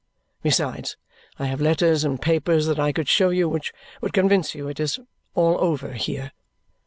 Besides, I have letters and papers that I could show you which would convince you it is all over here.